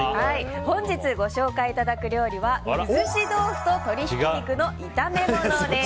本日、ご紹介いただく料理はくずし豆腐と鶏ひき肉の炒め物です。